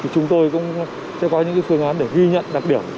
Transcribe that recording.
chúng tôi cũng sẽ có những phương án để ghi nhận đặc điểm